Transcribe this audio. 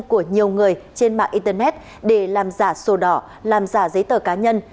của nhiều người trên mạng internet để làm giả sổ đỏ làm giả giấy tờ cá nhân